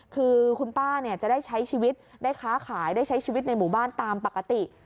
คือคุณป้าจะได้ใช้ชีวิตได้ค้าขายได้ใช้ชีวิตในหมู่บ้านตามปกติ